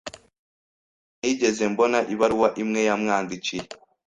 Ntabwo nigeze mbona ibaruwa imwe yamwandikiye.